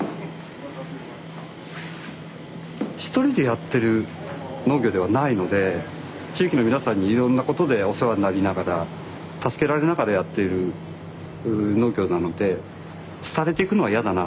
一人でやってる農業ではないので地域の皆さんにいろんなことでお世話になりながら助けられながらやっている農業なので廃れていくのは嫌だな。